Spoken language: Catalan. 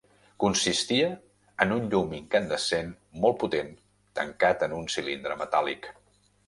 Consistia en un llum incandescent molt potent tancat en un cilindre metàl·lic.